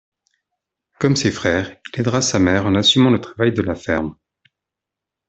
Comme ses frères, il aidera sa mère en assumant le travail de la ferme.